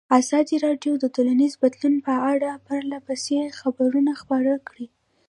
ازادي راډیو د ټولنیز بدلون په اړه پرله پسې خبرونه خپاره کړي.